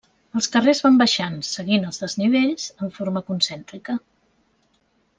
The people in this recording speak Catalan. Els carrers van baixant, seguint els desnivells, en forma concèntrica.